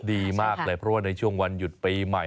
ดีมากเลยเพราะว่าในช่วงวันหยุดปีใหม่